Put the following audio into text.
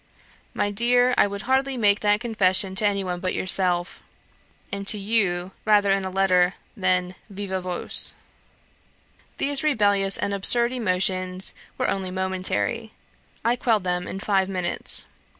My dear, I would hardly make that confession to any one but yourself; and to you, rather in a letter than viva voce. These rebellious and absurd emotions were only momentary; I quelled them in five minutes.